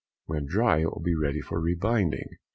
When dry, it will be ready for re binding.